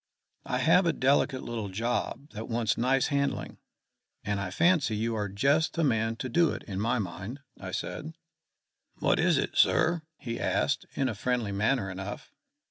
"I have a delicate little job that wants nice handling, and I fancy you are just the man to do it to my mind," I said. "What is it, sir?" he asked, in a friendly manner enough.